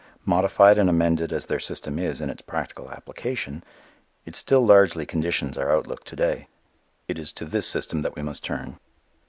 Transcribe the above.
Modified and amended as their system is in its practical application, it still largely conditions our outlook to day. It is to this system that we must turn.